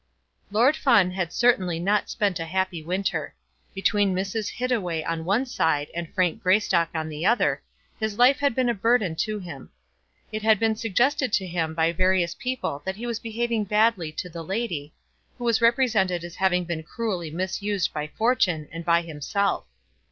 Lord Fawn had certainly not spent a happy winter. Between Mrs. Hittaway on one side and Frank Greystock on the other, his life had been a burthen to him. It had been suggested to him by various people that he was behaving badly to the lady, who was represented as having been cruelly misused by fortune and by himself.